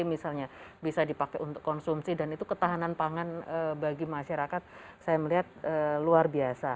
jadi misalnya bisa dipakai untuk konsumsi dan itu ketahanan pangan bagi masyarakat saya melihat luar biasa